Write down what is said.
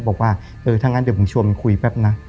บอกว่าเออถ้างั้นเดี๋ยวผมชวนคุยแป๊บนะ